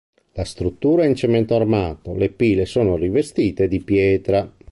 La struttura è in cemento armato, le pile sono rivestite di pietra.